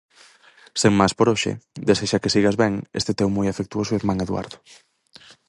Sen máis por hoxe, desexa que sigas ben este teu moi afectuoso irmán Eduardo.